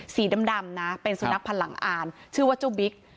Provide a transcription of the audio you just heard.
สีดำนะเป็นสุนัขพันธ์หลังอ่านชื่อว่าเจ้าบิ๊ก